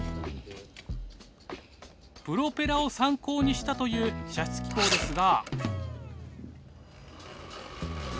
プロペラを参考にしたという射出機構ですが。